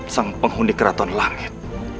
sang penghuni keraton langit